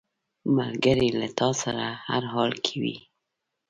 ملګری له تا سره هر حال کې وي